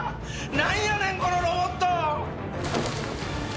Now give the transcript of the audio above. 何やねんこのロボット！